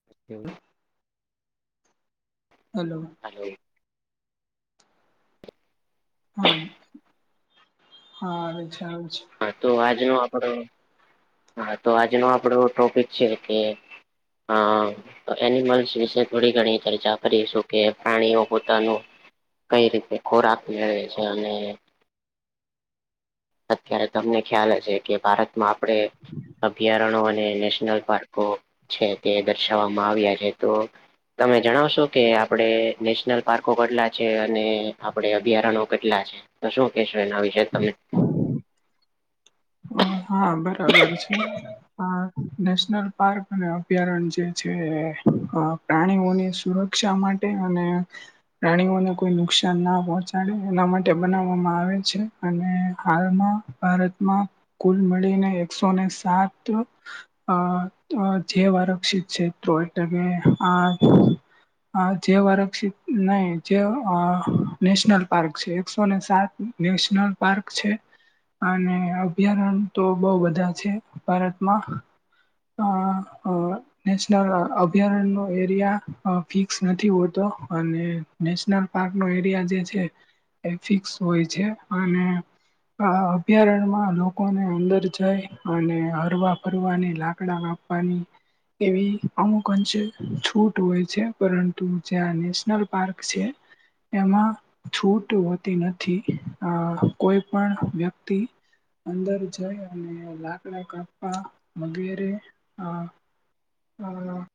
[unintelligible] Hello હાલો હા હા આવે છે આવે છે. હા તો આજનો આપણો હા તો આજનો આપણો ટોપિક છે કે હા એનિમલ્સ વિશે થોડી ઘણી ચર્ચા કરીશું કે પ્રાણીઓ પોતાનું કઈ રીતે ખોરાક મેળવે છે અને અત્યારે તમને ખ્યાલ હશે કે ભારતમાં આપણે અભયારણ્ય અને નેશનલ પાર્કો છે તે દર્શાવવામાં આવ્યા છે તો તમે જણાવશો કે આપડે નેશનલ પાર્કો કેટલા છે અને આપડે અભયારણ્યો કેટલા છે. તો શું કેશો એના વિશે તમે છે હા બરાબર છે. આ નેશનલ પાર્ક અને અભયારણ જે છે. અ પ્રાણીઓની સુરક્ષા માટે અને પ્રાણીઓને કોઈ નુકસાન ના પહોંચાડે એના માટે બનાવવામાં આવે છે અને હાલમાં ભારતમાં કુલ મળીને એકસોને સાત અ જૈવઆરક્ષિત ક્ષેત્રો એટલે કે આ અ જૈવઆરક્ષિત નહી જે અ નેશનલ પાર્ક છે એકસોને સાત નેશનલ પાર્ક છે અને અ ભયારણ્ય તો બહુ બધા છે ભારતમાં. આ અ નેશનલ અભયારણનો એરિયા અ ફિક્સ નથી હોતો અને નેશનલ પાર્કનો એરિયા જે છે એ ફિક્સ હોય છે અને અ અભયારણમાં લોકોને અંદર જાય અને હરવા-ફરવાની લાક ડા કાપવાની એવી અમુક અંશે છૂટ હોય છે, પરંતુ જ્યાં નેશનલ પાર્ક છે એમાં છૂટ હોતી નથી. અ કોઈ પણ વ્યક્તિ અંદર જઈ અને લાકડા કાપવા વગેરે અ અ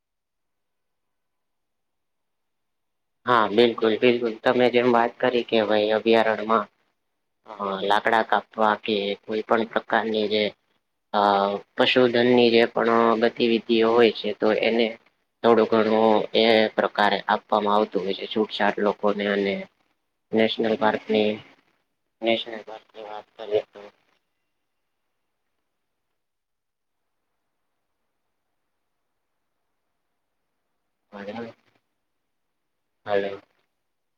હા, બિલકુલ બિલકુલ, તમે જેમ વાત કરી કે ભાઈ અભયારણ્યમાં અ લાકડા કાપવા કે કોઈ પણ પ્રકારની જે અ પશુધનની જે પણ ગતિવિધિઓ હોય છે તો એને થોડું ઘણું એ પ્રકારે આપવામાં આવ તું હશે. છૂટછાટ લોકોને અને નેશનલ પાર્ક ની નેશનલ પાર્કની વાત કરીએ તો [unintelligible] હલો